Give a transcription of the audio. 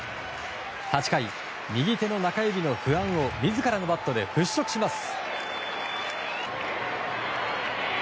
８回、右手の中指の不安を自らのバットで払拭します！